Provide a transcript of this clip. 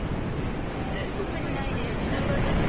特にないです。